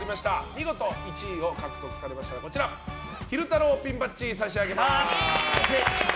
見事１位を獲得しましたら昼太郎ピンバッジを差し上げます。